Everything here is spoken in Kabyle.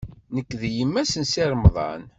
Nekk d yemma-s n Si Remḍan.